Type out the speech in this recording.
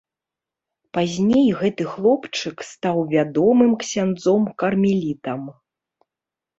Пазней гэты хлопчык стаў вядомым ксяндзом кармелітам.